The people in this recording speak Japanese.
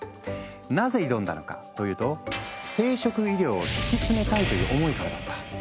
なぜ挑んだのかというと生殖医療をつきつめたいという思いからだった。